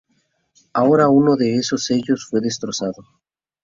Ahora uno de esos Sellos fue destrozado.